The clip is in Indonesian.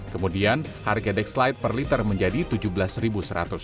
kemudian harga dex light per liter menjadi rp tujuh belas seratus